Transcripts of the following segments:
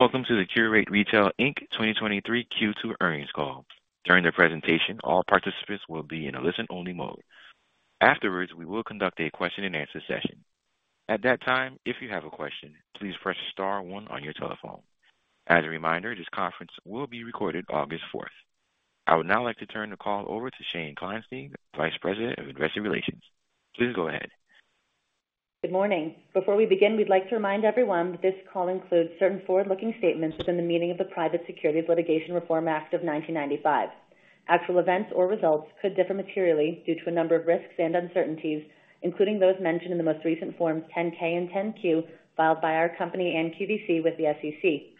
Welcome to the Qurate Retail, Inc 2023 Q2 Earnings Call. During the presentation, all participants will be in a listen-only mode. Afterwards, we will conduct a question-and-answer session. At that time, if you have a question, please press star one on your telephone. As a reminder, this conference will be recorded August 4th. I would now like to turn the call over to Shane Kleinstein, Vice President of Investor Relations. Please go ahead. Good morning. Before we begin, we'd like to remind everyone that this call includes certain forward-looking statements within the meaning of the Private Securities Litigation Reform Act of 1995. Actual events or results could differ materially due to a number of risks and uncertainties, including those mentioned in the most recent Forms 10-K and 10-Q filed by our company and QVC with the SEC.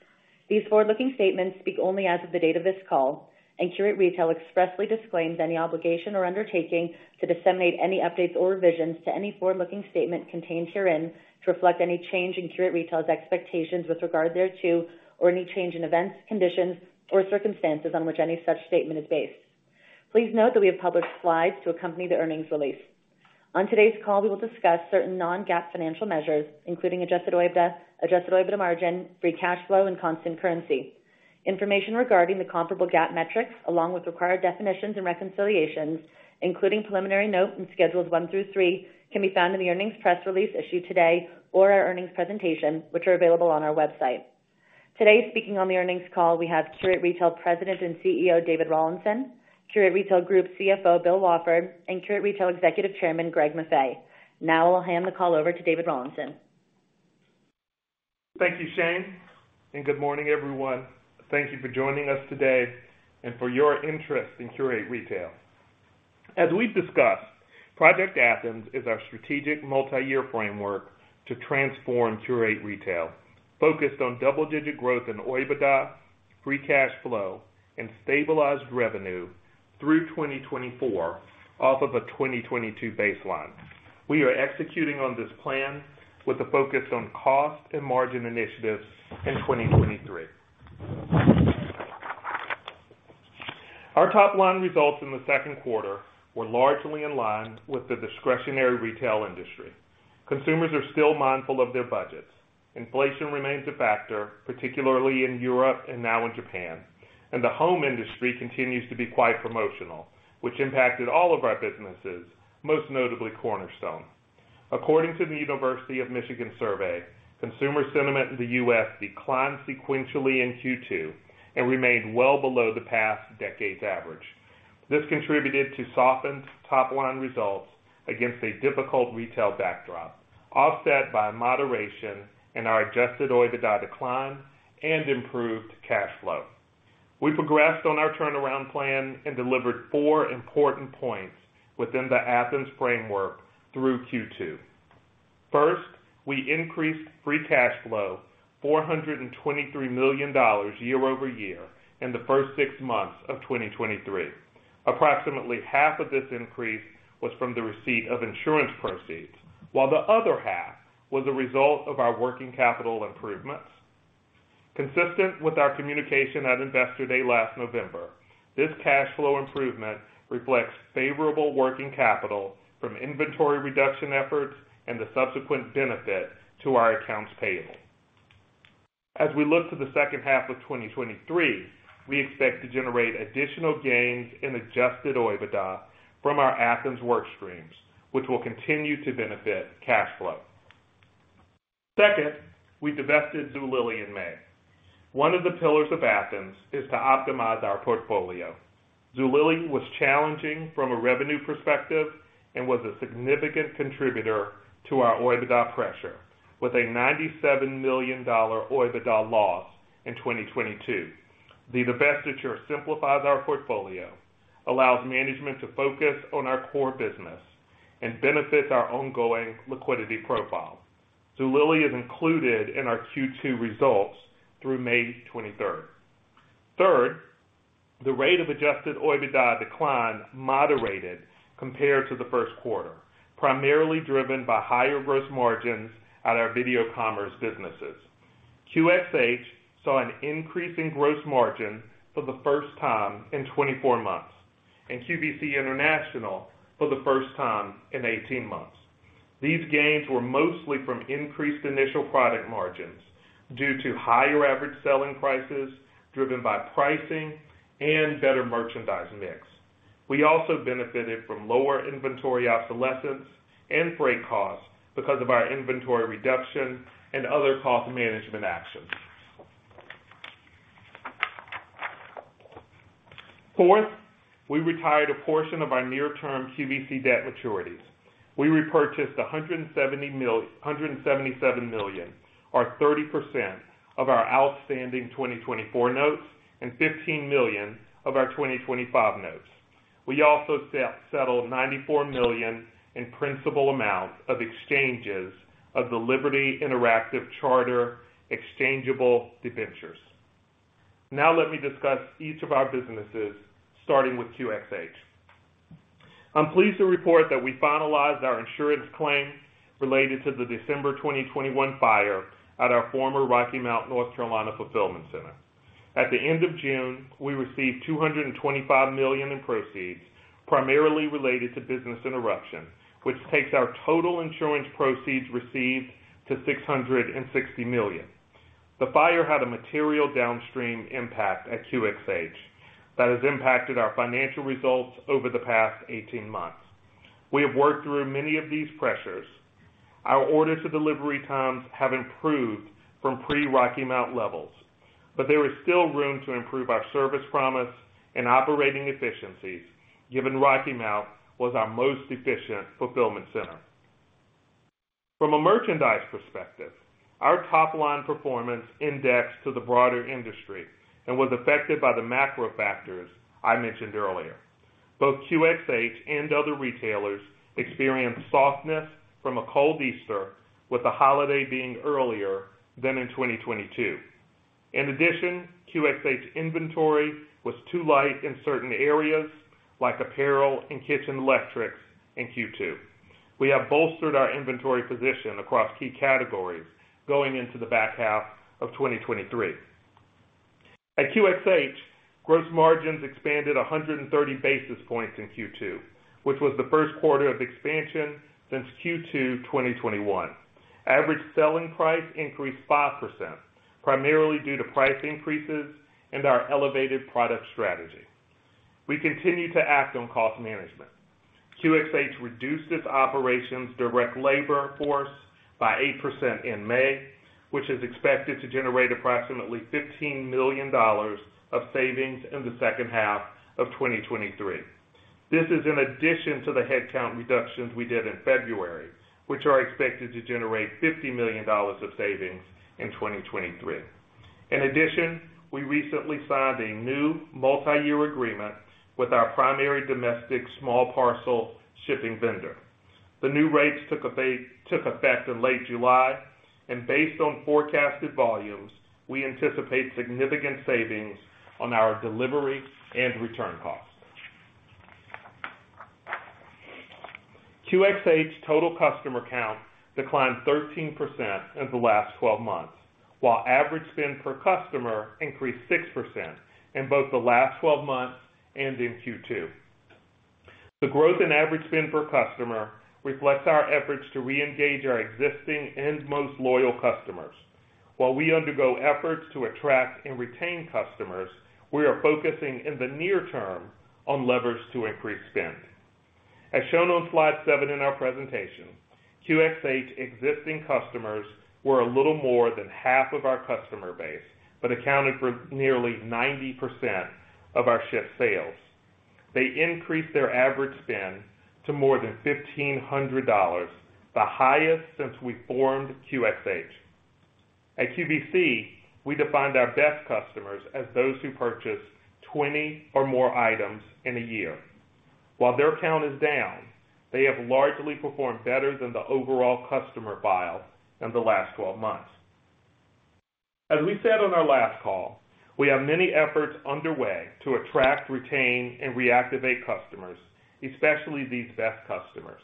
These forward-looking statements speak only as of the date of this call, and Qurate Retail expressly disclaims any obligation or undertaking to disseminate any updates or revisions to any forward-looking statement contained herein to reflect any change in Qurate Retail's expectations with regard thereto, or any change in events, conditions, or circumstances on which any such statement is based. Please note that we have published slides to accompany the earnings release. On today's call, we will discuss certain non-GAAP financial measures, including adjusted OIBDA, adjusted OIBDA margin, free cash flow, and constant currency. Information regarding the comparable GAAP metrics, along with required definitions and reconciliations, including preliminary notes and Schedules one through three, can be found in the earnings press release issued today or our earnings presentation, which are available on our website. Today, speaking on the earnings call, we have Qurate Retail President and CEO, David Rawlinson, Qurate Retail Group CFO, Bill Wafford, and Qurate Retail Executive Chairman, Greg Maffei. Now I'll hand the call over to David Rawlinson. Thank you, Shane. Good morning, everyone. Thank you for joining us today for your interest in Qurate Retail. As we've discussed, Project Athens is our strategic multi-year framework to transform Qurate Retail, focused on double-digit growth in OIBDA, free cash flow, and stabilized revenue through 2024 off of a 2022 baseline. We are executing on this plan with a focus on cost and margin initiatives in 2023. Our top-line results in the second quarter were largely in line with the discretionary retail industry. Consumers are still mindful of their budgets. Inflation remains a factor, particularly in Europe, now in Japan, and the home industry continues to be quite promotional, which impacted all of our businesses, most notably Cornerstone. According to the University of Michigan survey, consumer sentiment in the U.S. declined sequentially in Q2 and remained well below the past decade's average. This contributed to softened top-line results against a difficult retail backdrop, offset by moderation in our adjusted OIBDA decline and improved cash flow. We progressed on our turnaround plan and delivered four important points within the Athens framework through Q2. First, we increased free cash flow $423 million year-over-year in the first six months of 2023. Approximately half of this increase was from the receipt of insurance proceeds, while the other half was a result of our working capital improvements. Consistent with our communication at Investor Day last November, this cash flow improvement reflects favorable working capital from inventory reduction efforts and the subsequent benefit to our accounts payable. As we look to the second half of 2023, we expect to generate additional gains in adjusted OIBDA from our Athens work streams, which will continue to benefit cash flow. Second, we divested Zulily in May. One of the pillars of Athens is to optimize our portfolio. Zulily was challenging from a revenue perspective and was a significant contributor to our OIBDA pressure, with a $97 million OIBDA loss in 2022. The divestiture simplifies our portfolio, allows management to focus on our core business, and benefits our ongoing liquidity profile. Zulily is included in our Q2 results through May 23rd. Third, the rate of adjusted OIBDA decline moderated compared to the first quarter, primarily driven by higher gross margins at our video commerce businesses. QxH saw an increase in gross margin for the first time in 24 months, and QVC International for the first time in 18 months. These gains were mostly from increased initial product margins due to higher average selling prices, driven by pricing and better merchandise mix. We also benefited from lower inventory obsolescence and freight costs because of our inventory reduction and other cost management actions. Fourth, we retired a portion of our near-term QVC debt maturities. We repurchased $177 million, or 30% of our outstanding 2024 notes and $15 million of our 2025 notes. We also settled $94 million in principal amounts of exchanges of the Liberty Interactive Charter exchangeable debentures. Let me discuss each of our businesses, starting with QxH. I'm pleased to report that we finalized our insurance claims related to the December 2021 fire at our former Rocky Mount, North Carolina, fulfillment center. At the end of June, we received $225 million in proceeds, primarily related to business interruption, which takes our total insurance proceeds received to $660 million. The fire had a material downstream impact at QxH that has impacted our financial results over the past 18 months. We have worked through many of these pressures. Our order to delivery times have improved from pre-Rocky Mount levels, but there is still room to improve our service promise and operating efficiencies, given Rocky Mount was our most efficient fulfillment center. From a merchandise perspective, our top-line performance indexed to the broader industry and was affected by the macro factors I mentioned earlier. Both QxH and other retailers experienced softness from a cold Easter, with the holiday being earlier than in 2022. QxH inventory was too light in certain areas, like apparel and kitchen electrics in Q2. We have bolstered our inventory position across key categories going into the back half of 2023. At QxH, gross margins expanded 130 basis points in Q2, which was the first quarter of expansion since Q2 2021. Average selling price increased 5%, primarily due to price increases and our elevated product strategy. We continue to act on cost management. QxH reduced its operations direct labor force by 8% in May, which is expected to generate approximately $15 million of savings in the second half of 2023. This is in addition to the headcount reductions we did in February, which are expected to generate $50 million of savings in 2023. We recently signed a new multi-year agreement with our primary domestic small parcel shipping vendor. The new rates took effect in late July. Based on forecasted volumes, we anticipate significant savings on our delivery and return costs. QxH total customer count declined 13% in the last 12 months, while average spend per customer increased 6% in both the last 12 months and in Q2. The growth in average spend per customer reflects our efforts to reengage our existing and most loyal customers. While we undergo efforts to attract and retain customers, we are focusing in the near term on levers to increase spend. As shown on slide seven in our presentation, QxH existing customers were a little more than half of our customer base, but accounted for nearly 90% of our shift sales. They increased their average spend to more than $1,500, the highest since we formed QxH. At QVC, we defined our best customers as those who purchase 20 or more items in a year. While their count is down, they have largely performed better than the overall customer file in the last 12 months. As we said on our last call, we have many efforts underway to attract, retain, and reactivate customers, especially these best customers.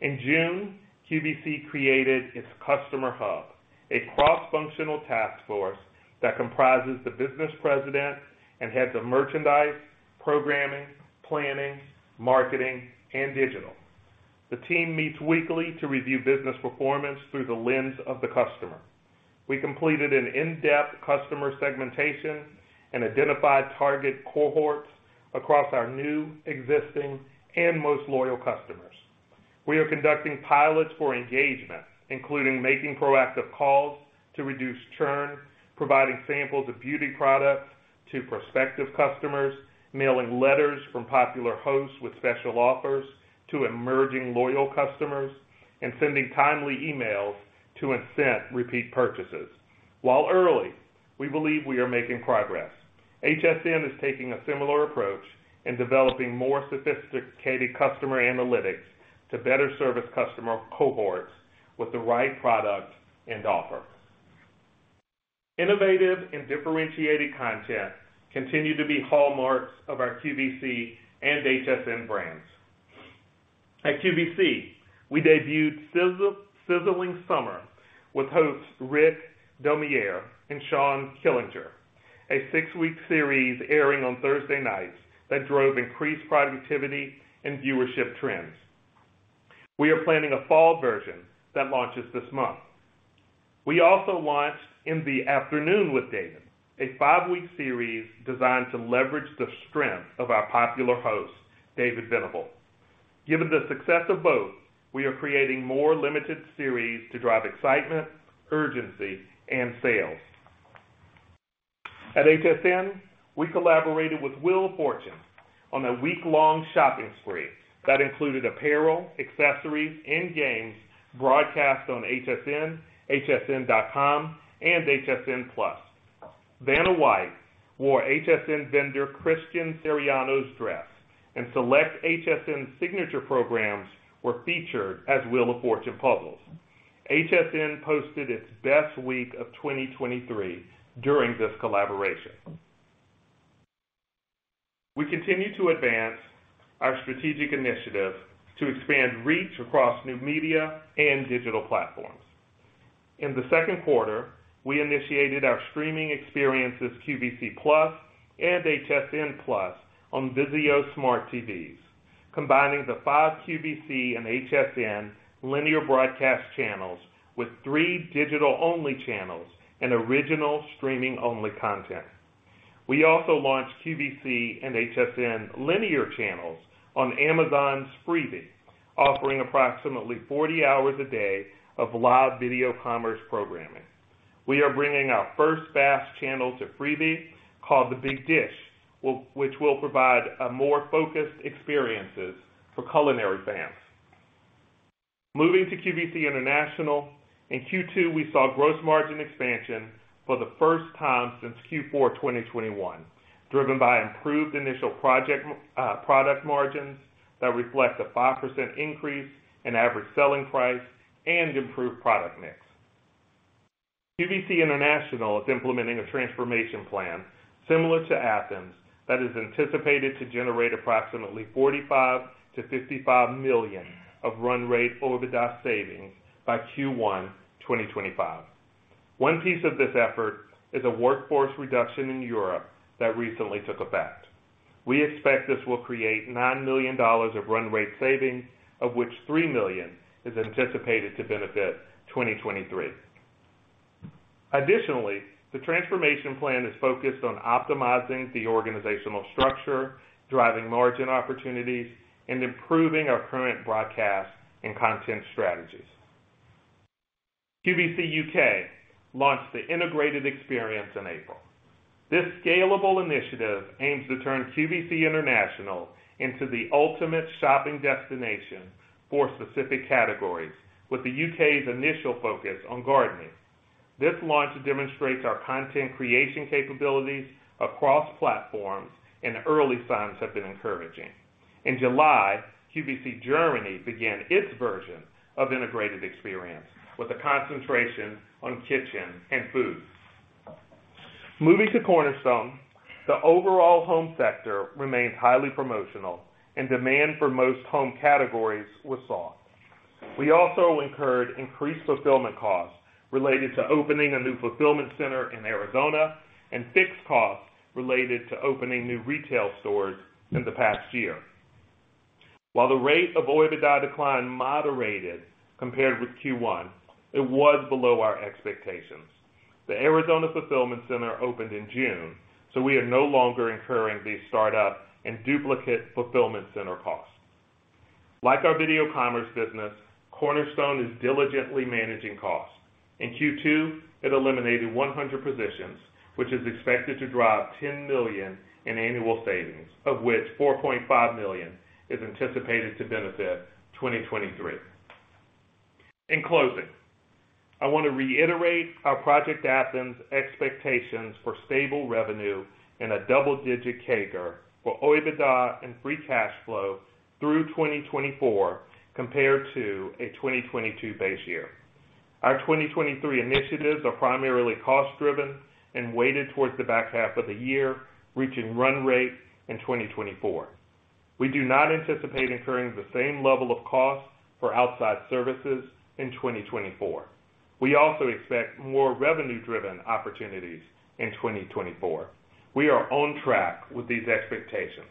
In June, QVC created its customer hub, a cross-functional task force that comprises the business president and heads of merchandise, programming, planning, marketing, and digital. The team meets weekly to review business performance through the lens of the customer. We completed an in-depth customer segmentation and identified target cohorts across our new, existing, and most loyal customers. We are conducting pilots for engagement, including making proactive calls to reduce churn, providing samples of beauty products to prospective customers, mailing letters from popular hosts with special offers to emerging loyal customers, and sending timely emails to incent repeat purchases. While early, we believe we are making progress. HSN is taking a similar approach in developing more sophisticated customer analytics to better service customer cohorts with the right product and offer. Innovative and differentiated content continue to be hallmarks of our QVC and HSN brands. At QVC, we debuted Sizzling Summer with hosts Rick Domeier and Shawn Killinger, a six-week series airing on Thursday nights that drove increased productivity and viewership trends. We are planning a fall version that launches this month. We also launched In the Afternoon with David, a five-week series designed to leverage the strength of our popular host, David Venable. Given the success of both, we are creating more limited series to drive excitement, urgency, and sales. At HSN, we collaborated with Wheel of Fortune on a week-long shopping spree that included apparel, accessories, and games broadcast on HSN, HSN.com, and HSN+. Vanna White wore HSN vendor Christian Siriano's dress, and select HSN signature programs were featured as Wheel of Fortune puzzles. HSN posted its best week of 2023 during this collaboration. We continue to advance our strategic initiative to expand reach across new media and digital platforms. In the second quarter, we initiated our streaming experiences, QVC+ and HSN+, on VIZIO Smart TVs, combining the five QVC and HSN linear broadcast channels with three digital-only channels and original streaming-only content. We also launched QVC and HSN linear channels on Amazon's Freevee, offering approximately 40 hours a day of live video commerce programming. We are bringing our first FAST channel to Freevee, called The Big Dish, which will provide more focused experiences for culinary fans. Moving to QVC International, in Q2, we saw gross margin expansion for the first time since Q4 2021, driven by improved initial project product margins that reflect a 5% increase in average selling price and improved product mix. QVC International is implementing a transformation plan similar to Athens, that is anticipated to generate approximately $45 million-$55 million of run rate OIBDA savings by Q1 2025. One piece of this effort is a workforce reduction in Europe that recently took effect. We expect this will create $9 million of run rate savings, of which $3 million is anticipated to benefit 2023. Additionally, the transformation plan is focused on optimizing the organizational structure, driving margin opportunities, and improving our current broadcast and content strategies. QVC U.K. launched the Integrated Experience in April. This scalable initiative aims to turn QVC International into the ultimate shopping destination for specific categories, with the U.K.'s initial focus on gardening. This launch demonstrates our content creation capabilities across platforms, and early signs have been encouraging. In July, QVC Germany began its version of Integrated Experience with a concentration on kitchen and food. Moving to Cornerstone, the overall home sector remains highly promotional and demand for most home categories was soft. We also incurred increased fulfillment costs related to opening a new fulfillment center in Arizona, and fixed costs related to opening new retail stores in the past year. While the rate of OIBDA decline moderated compared with Q1, it was below our expectations. The Arizona fulfillment center opened in June, so we are no longer incurring these startup and duplicate fulfillment center costs. Like our video commerce business, Cornerstone is diligently managing costs. In Q2, it eliminated 100 positions, which is expected to drive $10 million in annual savings, of which $4.5 million is anticipated to benefit 2023. In closing, I want to reiterate our Project Athens expectations for stable revenue and a double-digit CAGR for OIBDA and free cash flow through 2024 compared to a 2022 base year. Our 2023 initiatives are primarily cost-driven and weighted towards the back half of the year, reaching run rate in 2024. We do not anticipate incurring the same level of costs for outside services in 2024. We also expect more revenue-driven opportunities in 2024. We are on track with these expectations.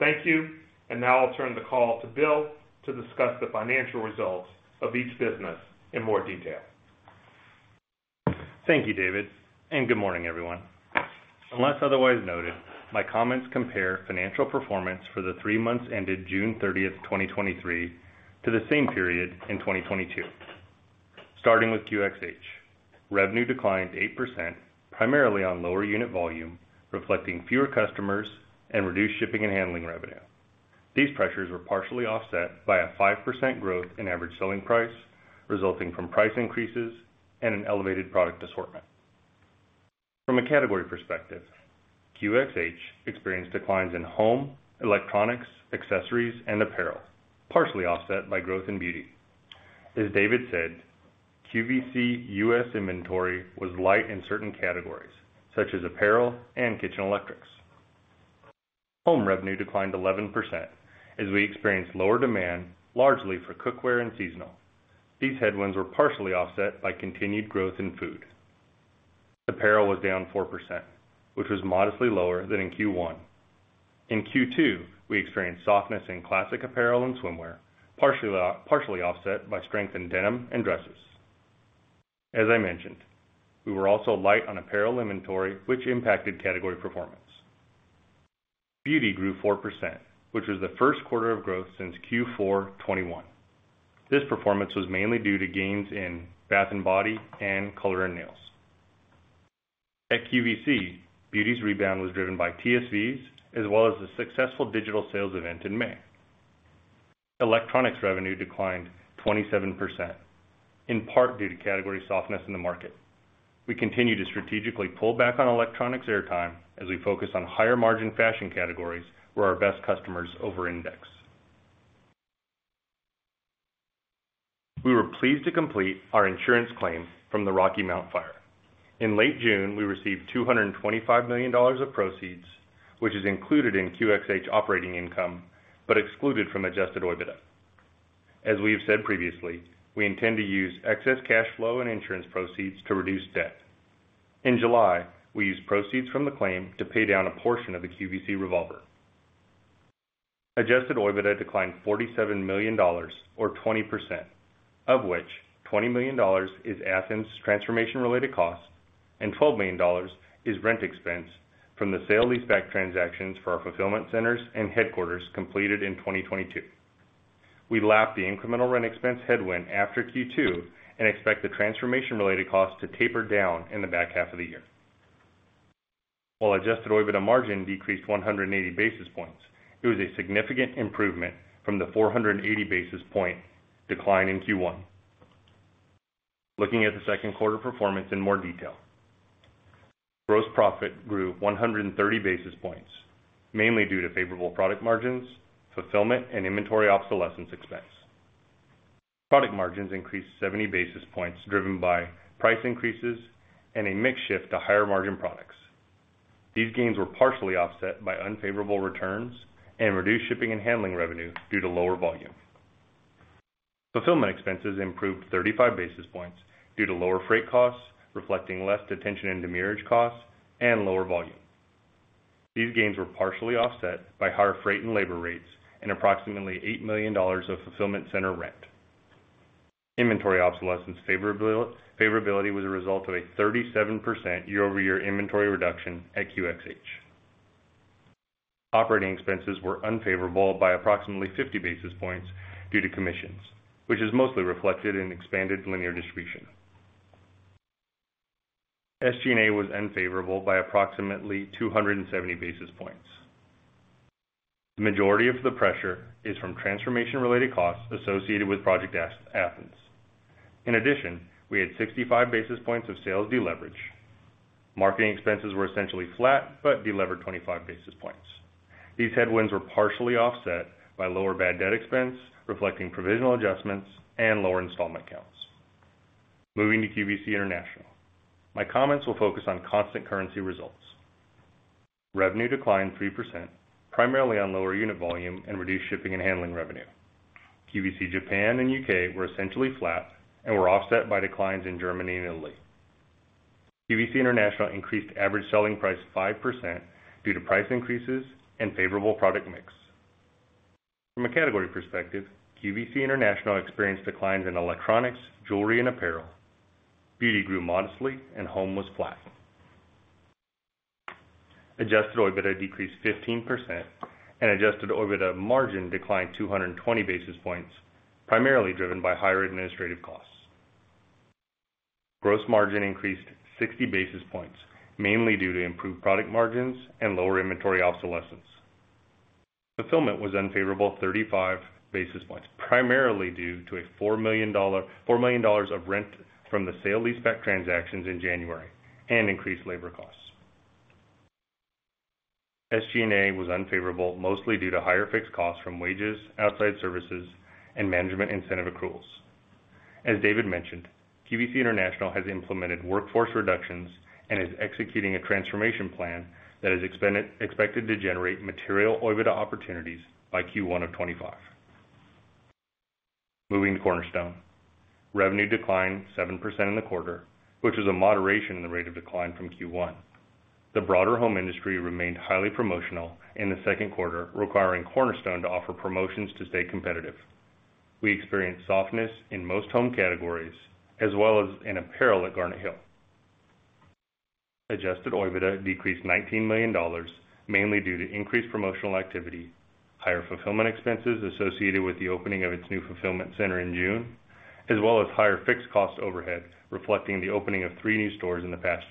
Thank you, and now I'll turn the call to Bill to discuss the financial results of each business in more detail. Thank you, David, good morning, everyone. Unless otherwise noted, my comments compare financial performance for the three months ended June 30, 2023, to the same period in 2022. Starting with QxH. Revenue declined 8%, primarily on lower unit volume, reflecting fewer customers and reduced shipping and handling revenue. These pressures were partially offset by a 5% growth in average selling price, resulting from price increases and an elevated product assortment. From a category perspective, QxH experienced declines in home, electronics, accessories, and apparel, partially offset by growth in beauty. As David said, QVC U.S. inventory was light in certain categories, such as apparel and kitchen electrics. Home revenue declined 11% as we experienced lower demand, largely for cookware and seasonal. These headwinds were partially offset by continued growth in food. Apparel was down 4%, which was modestly lower than in Q1. In Q2, we experienced softness in classic apparel and swimwear, partially offset by strength in denim and dresses. As I mentioned, we were also light on apparel inventory, which impacted category performance. Beauty grew 4%, which was the first quarter of growth since Q4 2021. This performance was mainly due to gains in bath and body and color and nails. At QVC, beauty's rebound was driven by TSVs, as well as the successful digital sales event in May. Electronics revenue declined 27%, in part due to category softness in the market. We continue to strategically pull back on electronics airtime as we focus on higher margin fashion categories where our best customers over-index. We were pleased to complete our insurance claim from the Rocky Mount fire. In late June, we received $225 million of proceeds, which is included in QxH operating income, but excluded from adjusted OIBDA. As we have said previously, we intend to use excess cash flow and insurance proceeds to reduce debt. In July, we used proceeds from the claim to pay down a portion of the QVC revolver. Adjusted OIBDA declined $47 million or 20%, of which $20 million is Athens transformation-related costs, and $12 million is rent expense from the sale-leaseback transactions for our fulfillment centers and headquarters completed in 2022. We lapped the incremental rent expense headwind after Q2 and expect the transformation-related costs to taper down in the back half of the year. While adjusted OIBDA margin decreased 180 basis points, it was a significant improvement from the 480 basis point decline in Q1. Looking at the second quarter performance in more detail. Gross profit grew 130 basis points, mainly due to favorable product margins, fulfillment, and inventory obsolescence expense. Product margins increased 70 basis points, driven by price increases and a mix shift to higher-margin products. These gains were partially offset by unfavorable returns and reduced shipping and handling revenue due to lower volume. Fulfillment expenses improved 35 basis points due to lower freight costs, reflecting less detention and demurrage costs and lower volume. These gains were partially offset by higher freight and labor rates and approximately $8 million of fulfillment center rent. Inventory obsolescence favorability was a result of a 37% year-over-year inventory reduction at QxH. Operating expenses were unfavorable by approximately 50 basis points due to commissions, which is mostly reflected in expanded linear distribution. SG&A was unfavorable by approximately 270 basis points. The majority of the pressure is from transformation-related costs associated with Project Athens. We had 65 basis points of sales deleverage. Marketing expenses were essentially flat, delevered 25 basis points. These headwinds were partially offset by lower bad debt expense, reflecting provisional adjustments and lower installment counts. Moving to QVC International. My comments will focus on constant currency results. Revenue declined 3%, primarily on lower unit volume and reduced shipping and handling revenue. QVC, Japan, and U.K. were essentially flat and were offset by declines in Germany and Italy. QVC International increased average selling price 5% due to price increases and favorable product mix. From a category perspective, QVC International experienced declines in electronics, jewelry, and apparel. Beauty grew modestly and home was flat. Adjusted OIBDA decreased 15% and adjusted OIBDA margin declined 220 basis points, primarily driven by higher administrative costs. Gross margin increased 60 basis points, mainly due to improved product margins and lower inventory obsolescence. Fulfillment was unfavorable 35 basis points, primarily due to a $4 million, $4 million of rent from the sale leaseback transactions in January and increased labor costs. SG&A was unfavorable, mostly due to higher fixed costs from wages, outside services, and management incentive accruals. As David mentioned, QVC International has implemented workforce reductions and is executing a transformation plan that is expected to generate material OIBDA opportunities by Q1 of 2025. Moving to Cornerstone. Revenue declined 7% in the quarter, which is a moderation in the rate of decline from Q1. The broader home industry remained highly promotional in the second quarter, requiring Cornerstone to offer promotions to stay competitive. We experienced softness in most home categories, as well as in apparel at Garnet Hill. Adjusted OIBDA decreased $19 million, mainly due to increased promotional activity, higher fulfillment expenses associated with the opening of its new fulfillment center in June, as well as higher fixed cost overhead, reflecting the opening of three new stores in the past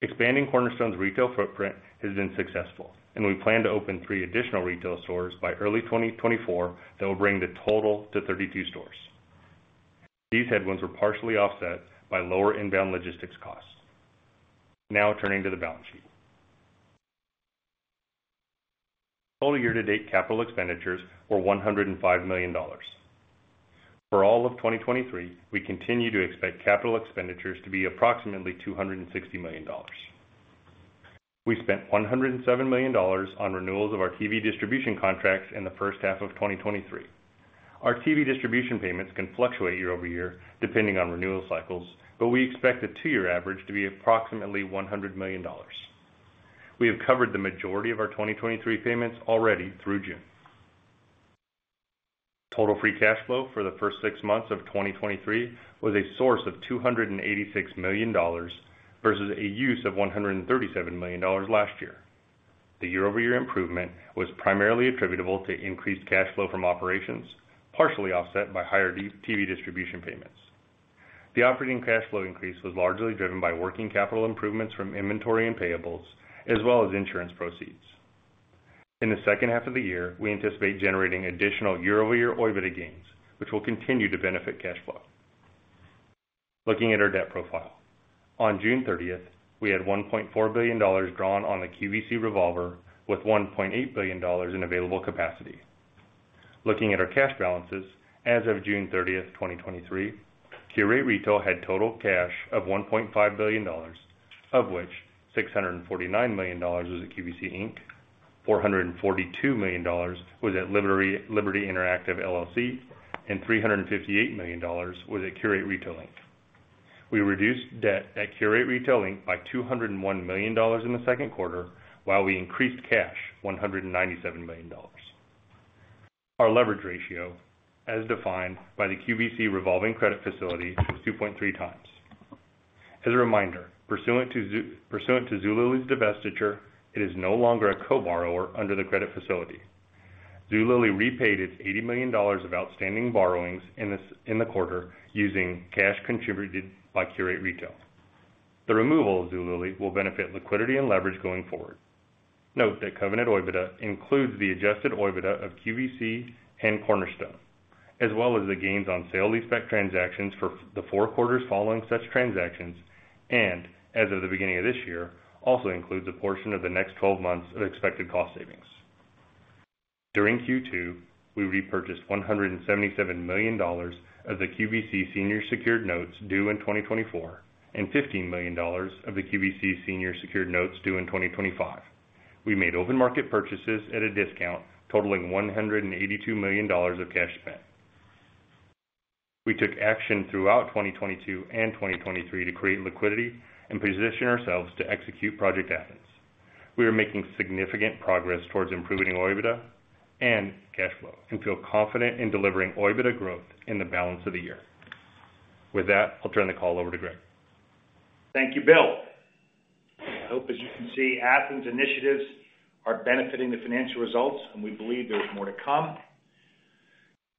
year. Expanding Cornerstone's retail footprint has been successful, and we plan to open three additional retail stores by early 2024, that will bring the total to 32 stores. These headwinds were partially offset by lower inbound logistics costs. Now turning to the balance sheet. Total year-to-date capital expenditures were $105 million. For all of 2023, we continue to expect capital expenditures to be approximately $260 million. We spent $107 million on renewals of our TV distribution contracts in the first half of 2023. Our TV distribution payments can fluctuate year-over-year, depending on renewal cycles, but we expect the two-year average to be approximately $100 million. We have covered the majority of our 2023 payments already through June. Total free cash flow for the first six months of 2023 was a source of $286 million versus a use of $137 million last year. The year-over-year improvement was primarily attributable to increased cash flow from operations, partially offset by higher TV distribution payments. The operating cash flow increase was largely driven by working capital improvements from inventory and payables, as well as insurance proceeds. In the second half of the year, we anticipate generating additional year-over-year OIBDA gains, which will continue to benefit cash flow. Looking at our debt profile. On June 30th, we had $1.4 billion drawn on the QVC revolver, with $1.8 billion in available capacity. Looking at our cash balances, as of June 30th, 2023, Qurate Retail had total cash of $1.5 billion, of which $649 million was at QVC, Inc., $442 million was at Liberty Interactive LLC, and $358 million was at Qurate Retail, Inc. We reduced debt at Qurate Retail, Inc by $201 million in the second quarter, while we increased cash $197 million. Our leverage ratio, as defined by the QVC revolving credit facility, is 2.3 times. As a reminder, pursuant to Zulily's divestiture, it is no longer a co-borrower under the credit facility. Zulily repaid its $80 million of outstanding borrowings in this, in the quarter using cash contributed by Qurate Retail. The removal of Zulily will benefit liquidity and leverage going forward. Note that covenant OIBDA includes the adjusted OIBDA of QVC and Cornerstone, as well as the gains on sale leaseback transactions for the four quarters following such transactions, and as of the beginning of this year, also includes a portion of the next 12 months of expected cost savings. During Q2, we repurchased $177 million of the QVC senior secured notes due in 2024, and $15 million of the QVC senior secured notes due in 2025. We made open market purchases at a discount, totaling $182 million of cash spent. We took action throughout 2022 and 2023 to create liquidity and position ourselves to execute Project Athens. We are making significant progress towards improving OIBDA and cash flow, and feel confident in delivering OIBDA growth in the balance of the year. With that, I'll turn the call over to Greg. Thank you, Bill. I hope, as you can see, Project Athens initiatives are benefiting the financial results, and we believe there's more to come.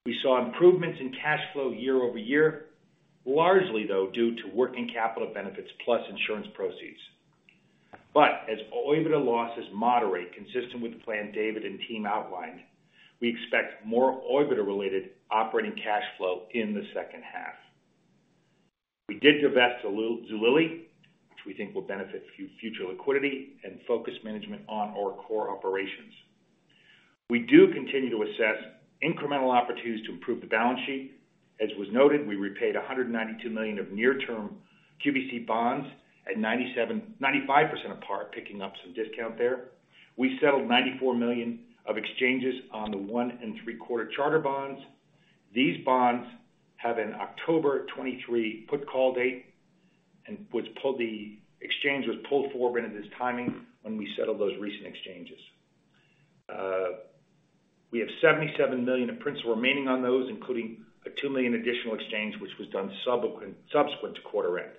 We saw improvements in cash flow year-over-year, largely, though, due to working capital benefits plus insurance proceeds. As OIBDA losses moderate, consistent with the plan David and team outlined, we expect more OIBDA-related operating cash flow in the second half. We did divest Zulily, which we think will benefit future liquidity and focus management on our core operations. We do continue to assess incremental opportunities to improve the balance sheet. As was noted, we repaid $192 million of near-term QVC bonds at 95% of par, picking up some discount there. We settled $94 million of exchanges on the 1.75% Charter bonds. These bonds have an October 23 put call date, the exchange was pulled forward into this timing when we settled those recent exchanges. We have $77 million in principal remaining on those, including a $2 million additional exchange, which was done subsequent to quarter end.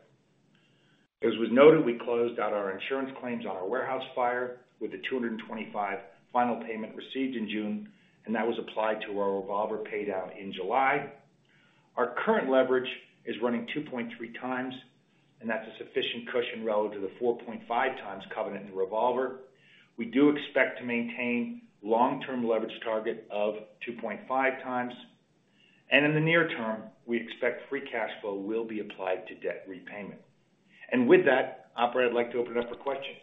As was noted, we closed out our insurance claims on our warehouse fire with the $225 final payment received in June, and that was applied to our revolver paid out in July. Our current leverage is running 2.3 times, that's a sufficient cushion relative to the 4.5 times covenant and revolver. We do expect to maintain long-term leverage target of 2.5 times, in the near term, we expect free cash flow will be applied to debt repayment. With that, operator, I'd like to open it up for questions.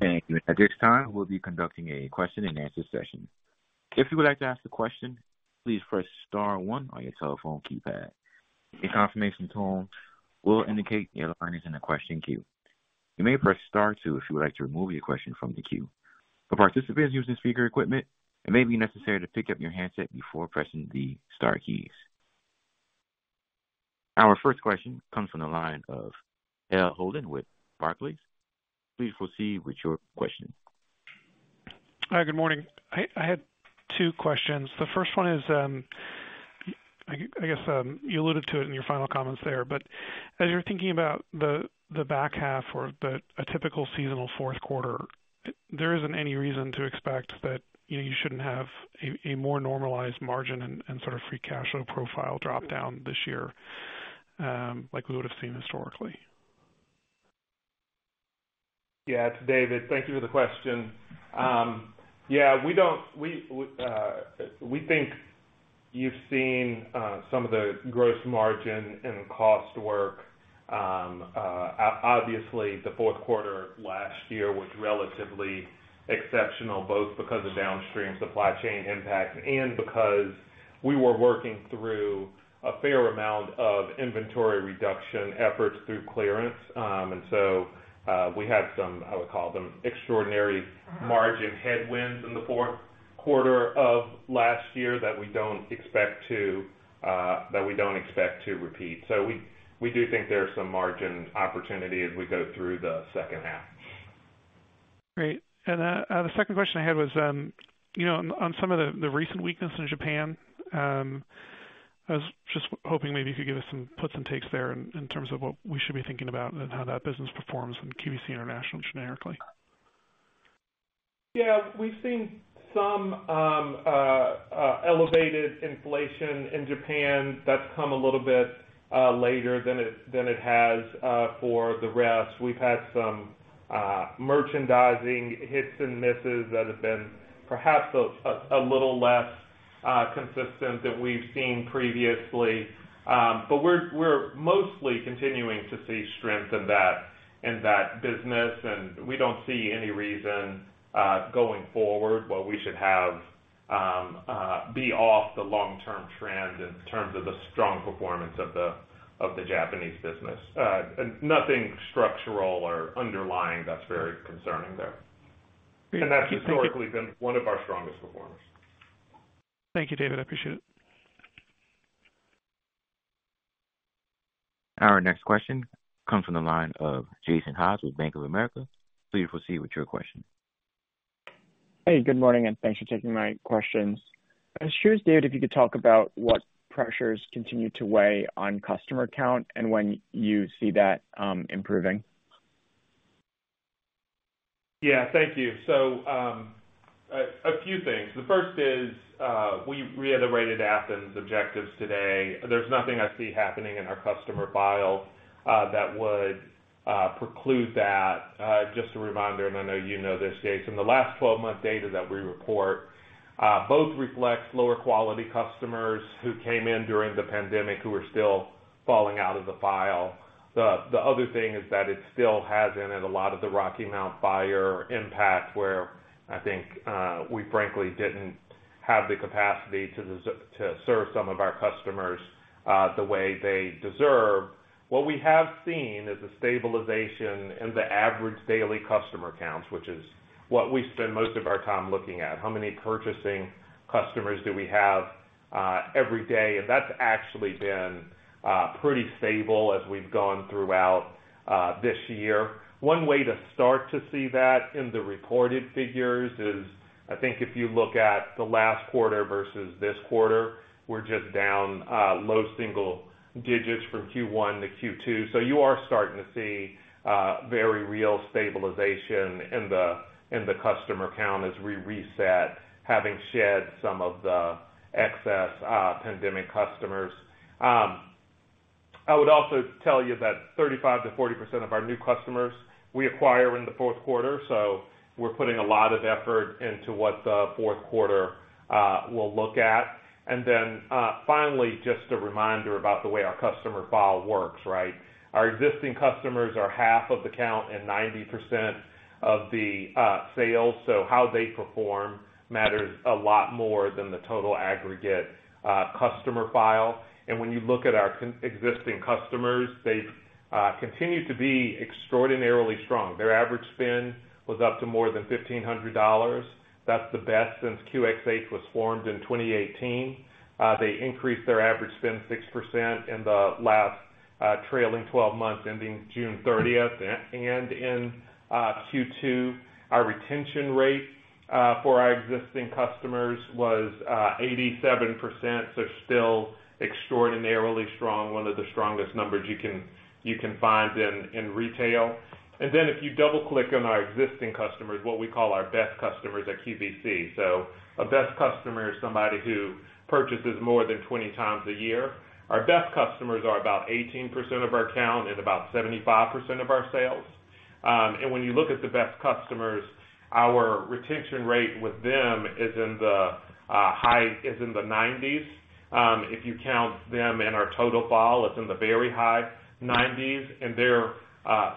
Thank you. At this time, we'll be conducting a question-and-answer session. If you would like to ask a question, please press star one on your telephone keypad. A confirmation tone will indicate your line is in the question queue. You may press star two if you would like to remove your question from the queue. For participants using speaker equipment, it may be necessary to pick up your handset before pressing the star keys. Our first question comes from the line of Hale Holden with Barclays. Please proceed with your question. Hi, good morning. I had two questions. The first one is, I guess, you alluded to it in your final comments there, but as you're thinking about the, the back half or the, a typical seasonal fourth quarter, there isn't any reason to expect that, you know, you shouldn't have a, a more normalized margin and, and sort of free cash flow profile drop-down this year, like we would have seen historically? Yeah, it's David. Thank you for the question. Yeah, we don't we think you've seen some of the gross margin and cost work. Obviously, the fourth quarter last year was relatively exceptional, both because of downstream supply chain impact and because we were working through a fair amount of inventory reduction efforts through clearance. We had some, I would call them, extraordinary margin headwinds in the fourth quarter of last year that we don't expect to that we don't expect to repeat. We, we do think there are some margin opportunity as we go through the second half. Great. The second question I had was, you know, on, on some of the, the recent weakness in Japan, I was just hoping maybe you could give us some puts and takes there in, in terms of what we should be thinking about and how that business performs in QVC International generically. Yeah, we've seen some elevated inflation in Japan that's come a little bit later than it, than it has for the rest. We've had some merchandising hits and misses that have been perhaps a little less consistent that we've seen previously. We're, we're mostly continuing to see strength in that, in that business, and we don't see any reason, going forward, where we should have, be off the long-term trend in terms of the strong performance of the, of the Japanese business. Nothing structural or underlying that's very concerning there. That's historically been one of our strongest performers. Thank you, David. I appreciate it. Our next question comes from the line of Jason Haas with Bank of America. Please proceed with your question. Hey, good morning, and thanks for taking my questions. I assure, David, if you could talk about what pressures continue to weigh on customer count and when you see that improving? Yeah, thank you. A few things. The first is, we reiterated Athens objectives today. There's nothing I see happening in our customer file, that would preclude that. Just a reminder, and I know you know this, Jason, the last 12-month data that we report, both reflects lower quality customers who came in during the pandemic, who are still falling out of the file. The other thing is that it still hasn't, and a lot of the Rocky Mount fire impact where I think, we frankly didn't have the capacity to serve some of our customers, the way they deserve. What we have seen is a stabilization in the average daily customer counts, which is what we spend most of our time looking at. How many purchasing customers do we have, every day? That's actually been pretty stable as we've gone throughout this year. One way to start to see that in the reported figures is, I think if you look at the last quarter versus this quarter, we're just down low single digits from Q1 to Q2. You are starting to see very real stabilization in the, in the customer count as we reset, having shed some of the excess pandemic customers. I would also tell you that 35%-40% of our new customers we acquire in the fourth quarter, so we're putting a lot of effort into what the fourth quarter will look at. Then, finally, just a reminder about the way our customer file works, right? Our existing customers are half of the count and 90% of the sales, how they perform matters a lot more than the total aggregate customer file. When you look at our existing customers, they continue to be extraordinarily strong. Their average spend was up to more than $1,500. That's the best since QxH was formed in 2018. They increased their average spend 6% in the last trailing 12 months, ending June 30th. In Q2, our retention rate for our existing customers was 87%, still extraordinarily strong, one of the strongest numbers you can find in retail. If you double-click on our existing customers, what we call our best customers at QVC. A best customer is somebody who purchases more than 20 times a year. Our best customers are about 18% of our count and about 75% of our sales. And when you look at the best customers, our retention rate with them is in the high 90%. If you count them in our total file, it's in the very high 90%, and their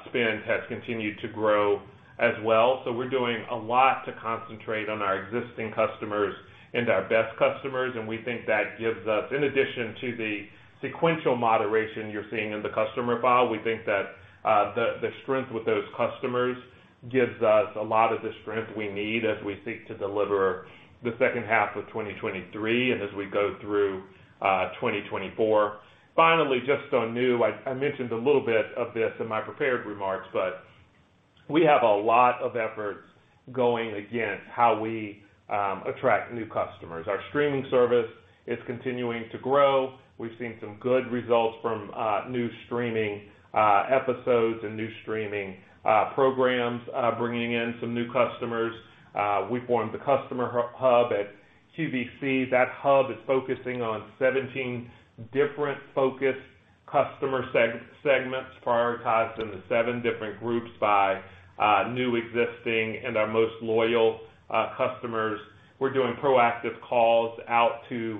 spend has continued to grow as well. We're doing a lot to concentrate on our existing customers and our best customers, and we think that gives us. In addition to the sequential moderation you're seeing in the customer file, we think that the strength with those customers gives us a lot of the strength we need as we seek to deliver the second half of 2023 and as we go through 2024. Finally, just on new, I, I mentioned a little bit of this in my prepared remarks, but we have a lot of efforts going against how we attract new customers. Our streaming service is continuing to grow. We've seen some good results from new streaming episodes and new streaming programs bringing in some new customers. We've formed the customer hub at QVC. That hub is focusing on 17 different focused customer segments, prioritized into seven different groups by new, existing, and our most loyal customers. We're doing proactive calls out to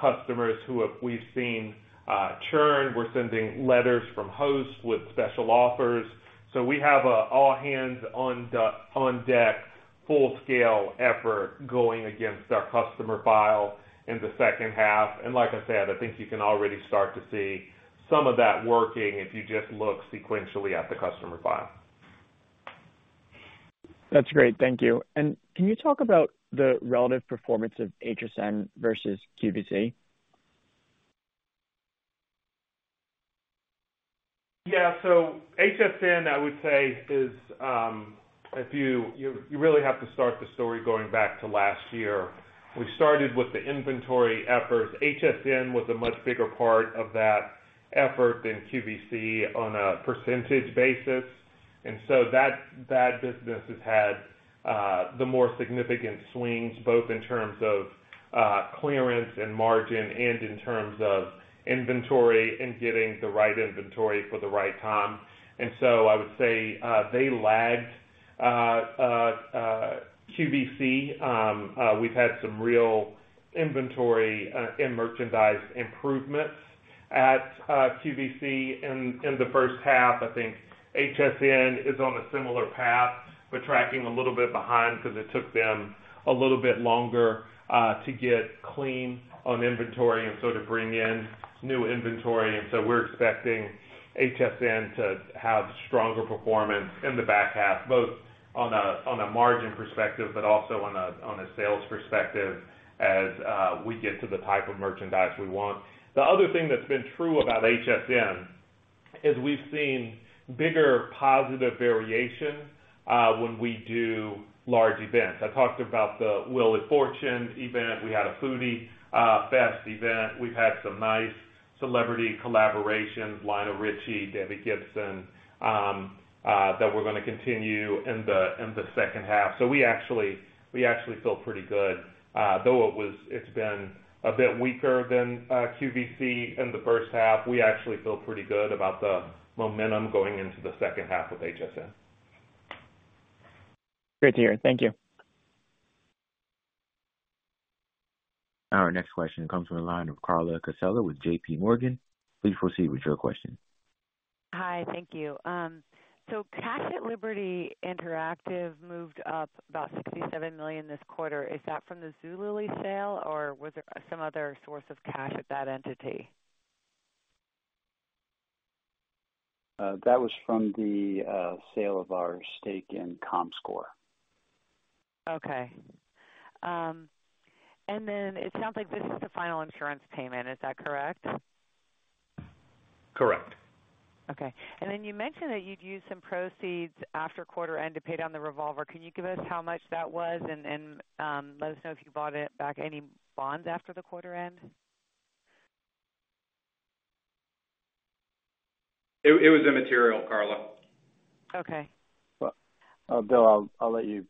customers who we've seen churn. We're sending letters from hosts with special offers. We have a all hands on deck, full-scale effort going against our customer file in the second half. Like I said, I think you can already start to see some of that working if you just look sequentially at the customer file. That's great, thank you. Can you talk about the relative performance of HSN versus QVC? Yeah. HSN, I would say, is, you really have to start the story going back to last year. We started with the inventory efforts. HSN was a much bigger part of that effort than QVC on a percentage basis, so that, that business has had the more significant swings, both in terms of clearance and margin, in terms of inventory and getting the right inventory for the right time. So I would say, they lagged QVC. We've had some real inventory and merchandise improvements at QVC in the first half. I think HSN is on a similar path, tracking a little bit behind because it took them a little bit longer to get clean on inventory so to bring in new inventory. So we're expecting HSN to have stronger performance in the back half, both on a, on a margin perspective, but also on a, on a sales perspective as we get to the type of merchandise we want. The other thing that's been true about HSN is we've seen bigger positive variation when we do large events. I talked about the Wheel of Fortune event. We had a Foodie Fest event. We've had some nice celebrity collaborations, Lionel Richie, Debbie Gibson, that we're gonna continue in the, in the second half. We actually, we actually feel pretty good. Though it was it's been a bit weaker than QVC in the first half, we actually feel pretty good about the momentum going into the second half of HSN. Great to hear. Thank you. Our next question comes from the line of Carla Casella with JPMorgan. Please proceed with your question. Hi, thank you. Cash at Liberty Interactive moved up about $67 million this quarter. Is that from the Zulily sale, or was there some other source of cash at that entity? That was from the sale of our stake in Comscore. Okay. Then it sounds like this is the final insurance payment. Is that correct? Correct. Okay. Then you mentioned that you'd use some proceeds after quarter end to pay down the revolver. Can you give us how much that was and, and let us know if you bought it back any bonds after the quarter end? It, it was immaterial, Carla. Okay. Bill, I'll, I'll let you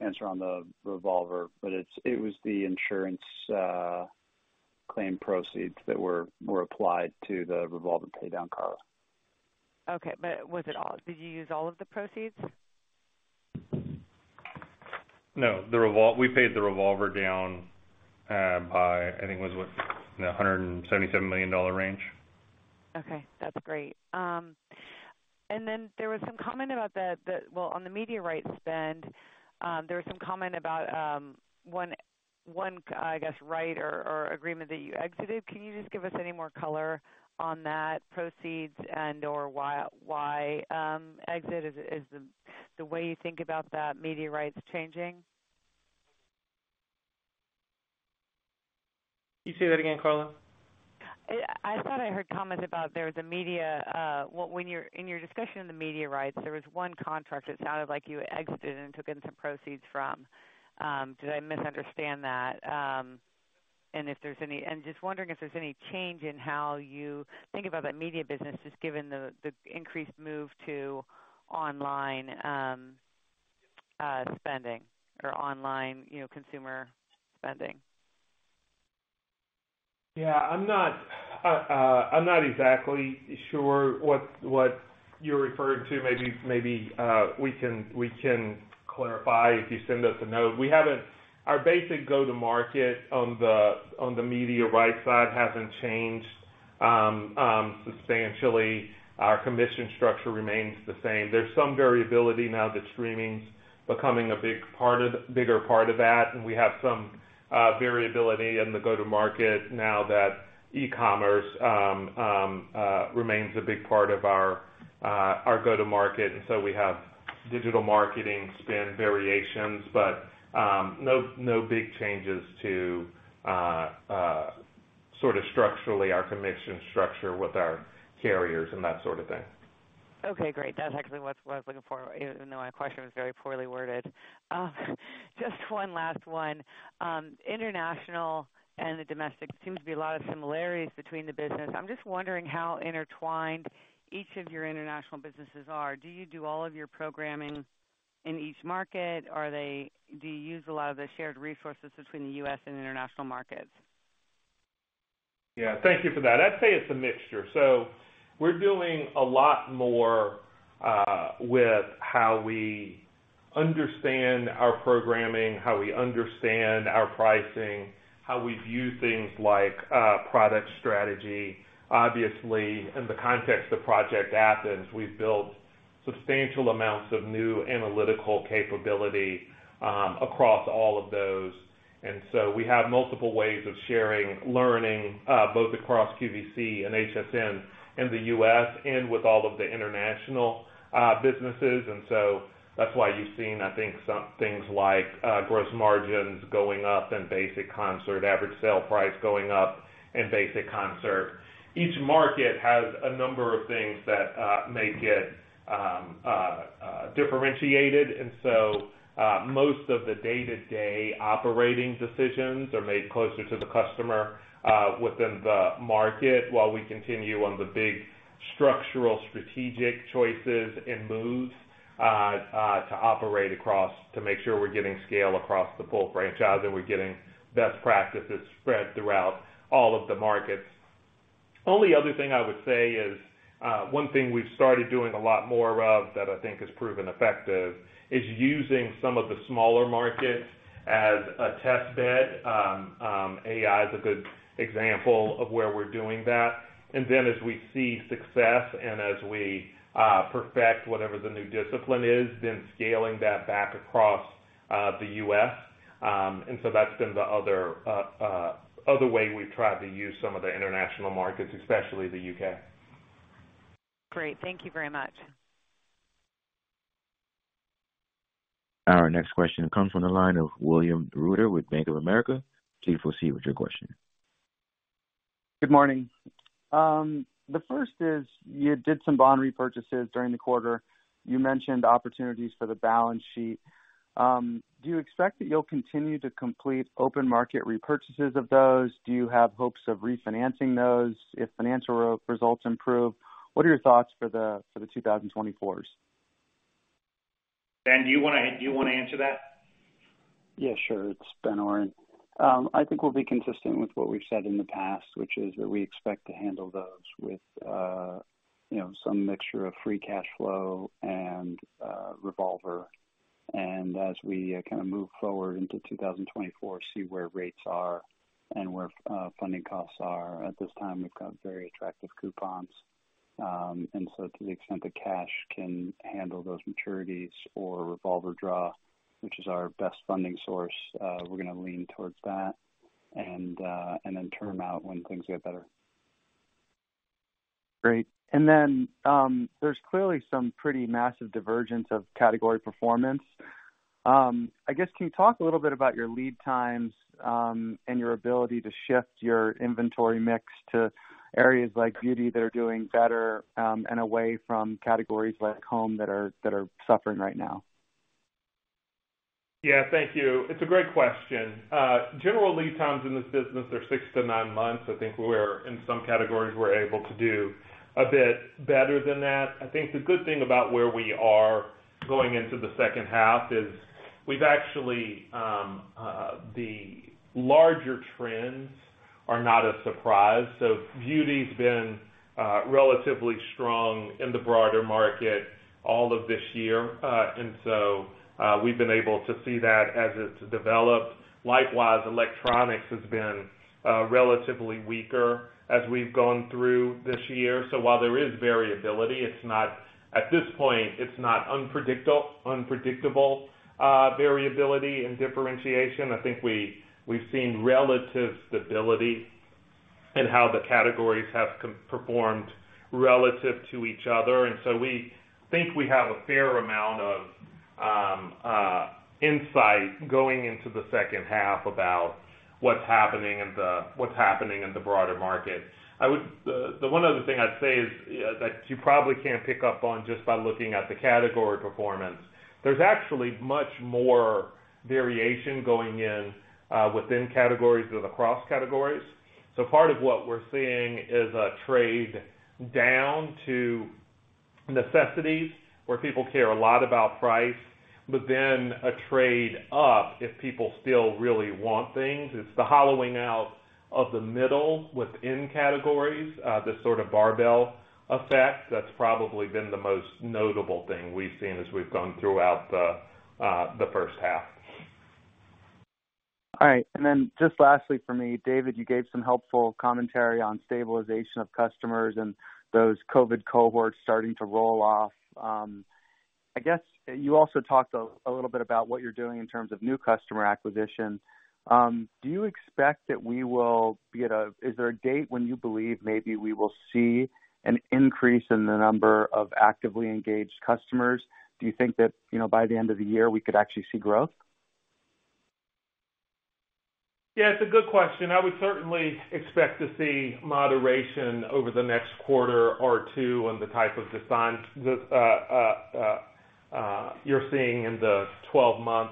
answer on the revolver, but it was the insurance claim proceeds that were applied to the revolver paydown, Carla. Okay, was it all? Did you use all of the proceeds? No, we paid the QVC revolver down, by, I think it was, what? In the $177 million range. Okay, that's great. Then there was some comment about, well, on the media rights spend, there was some comment about one, I guess, right or agreement that you exited. Can you just give us any more color on that proceeds or why exit? Is the way you think about that media rights changing? Can you say that again, Carla? I thought I heard comments about there was a media, well, when in your discussion of the media rights, there was one contract that sounded like you exited and took in some proceeds from. Did I misunderstand that? Just wondering if there's any change in how you think about that media business, just given the increased move to online spending or online, you know, consumer spending. Yeah, I'm not, I'm not exactly sure what, what you're referring to. Maybe, we can, we can clarify if you send us a note. Our basic go-to-market on the, on the media rights side hasn't changed substantially. Our commission structure remains the same. There's some variability now that streaming's becoming a bigger part of that, and we have some variability in the go-to-market now that e-commerce remains a big part of our go-to-market. We have digital marketing spend variations, but no, no big changes to sort of structurally, our commission structure with our carriers and that sort of thing. Okay, great. That's actually what, what I was looking for, even though my question was very poorly worded. Just one last one. International and the domestic seems to be a lot of similarities between the business. I'm just wondering how intertwined each of your international businesses are. Do you do all of your programming in each market? Do you use a lot of the shared resources between the U.S. and international markets? Yeah, thank you for that. I'd say it's a mixture. We're doing a lot more with how we understand our programming, how we understand our pricing, how we view things like product strategy. Obviously, in the context of Project Athens, we've built substantial amounts of new analytical capability across all of those. We have multiple ways of sharing, learning, both across QVC and HSN in the U.S. and with all of the international businesses. That's why you've seen, I think, some things like gross margins going up and basic concert, average sale price going up and basic concert. Each market has a number of things that make it differentiated. Most of the day-to-day operating decisions are made closer to the customer, within the market, while we continue on the big structural, strategic choices and moves to operate across to make sure we're getting scale across the full franchise, and we're getting best practices spread throughout all of the markets. Only other thing I would say is, one thing we've started doing a lot more of that I think has proven effective, is using some of the smaller markets as a test bed. AI is a good example of where we're doing that. As we see success and as we perfect whatever the new discipline is, then scaling that back across the U.S. That's been the other other way we've tried to use some of the international markets, especially the U.K. Great. Thank you very much. Our next question comes from the line of William Reuter with Bank of America. Please proceed with your question. Good morning. The first is, you did some bond repurchases during the quarter. You mentioned opportunities for the balance sheet. Do you expect that you'll continue to complete open market repurchases of those? Do you have hopes of refinancing those if financial results improve? What are your thoughts for the, for the 2024s? Ben, do you wanna, do you wanna answer that? Yeah, sure. It's Ben Oren. I think we'll be consistent with what we've said in the past, which is that we expect to handle those with, you know, some mixture of free cash flow and revolver. As we move forward into 2024, see where rates are and where funding costs are. At this time, we've got very attractive coupons. To the extent the cash can handle those maturities or revolver draw, which is our best funding source, we're gonna lean towards that and then term out when things get better. Great. There's clearly some pretty massive divergence of category performance. I guess, can you talk a little bit about your lead times, and your ability to shift your inventory mix to areas like beauty that are doing better, and away from categories like home, that are, that are suffering right now? Yeah, thank you. It's a great question. General lead times in this business are six to nine months. I think we're in some categories, we're able to do a bit better than that. I think the good thing about where we are going into the second half is we've actually, the larger trends are not a surprise. Beauty's been relatively strong in the broader market all of this year. We've been able to see that as it's developed. Likewise, electronics has been relatively weaker as we've gone through this year. While there is variability, it's not at this point, it's not unpredictable variability and differentiation. I think we, we've seen relative stability in how the categories have performed relative to each other. We think we have a fair amount of insight going into the second half about what's happening in the broader market. I would the one other thing I'd say is that you probably can't pick up on just by looking at the category performance. There's actually much more variation going in within categories than across categories. Part of what we're seeing is a trade down to necessities, where people care a lot about price, but then a trade up if people still really want things. It's the hollowing out of the middle within categories, this sort of barbell effect, that's probably been the most notable thing we've seen as we've gone throughout the first half. All right. Just lastly for me, David, you gave some helpful commentary on stabilization of customers and those COVID cohorts starting to roll off. I guess you also talked a little bit about what you're doing in terms of new customer acquisition. Is there a date when you believe maybe we will see an increase in the number of actively engaged customers? Do you think that, you know, by the end of the year, we could actually see growth? Yeah, it's a good question. I would certainly expect to see moderation over the next quarter or two on the type of decline that, you're seeing in the 12-month.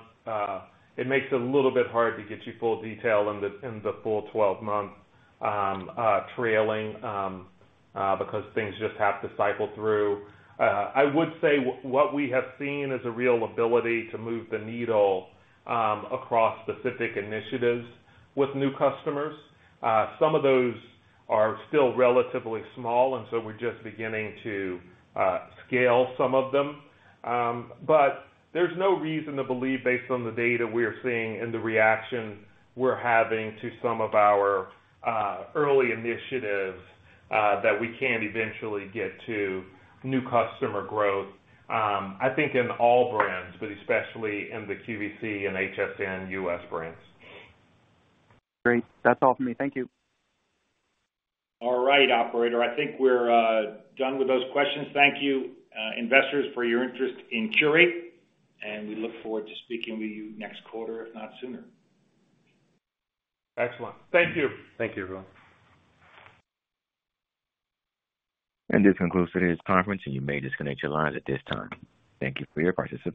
It makes it a little bit hard to get you full detail in the, in the full 12-month, trailing, because things just have to cycle through. I would say what we have seen is a real ability to move the needle, across specific initiatives with new customers. Some of those are still relatively small, and so we're just beginning to, scale some of them. There's no reason to believe, based on the data we're seeing and the reaction we're having to some of our early initiatives, that we can't eventually get to new customer growth, I think in all brands, but especially in the QVC and HSN U.S. brands. Great. That's all for me. Thank you. All right, operator. I think we're done with those questions. Thank you, investors, for your interest in Qurate, and we look forward to speaking with you next quarter, if not sooner. Excellent. Thank you. Thank you, everyone. This concludes today's conference. You may disconnect your lines at this time. Thank you for your participation.